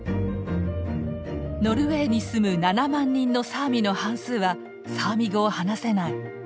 ノルウェーに住む７万人のサーミの半数はサーミ語を話せない。